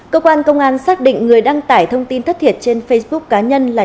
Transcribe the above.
cơ quan công an xác định người đăng tải thông tin thất thiệt trên facebook cá nhân là